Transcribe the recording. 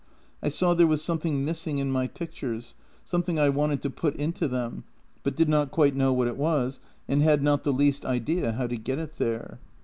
I saw there was something missing in my pictures — something I wanted to put into them — but did not quite know what it was, and had not the least idea how to get it there.